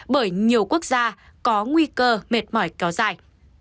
bởi nhiều quốc gia có nguy cơ mệt mỏi kéo dài